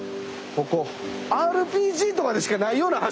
ＲＰＧとかでしかないような橋。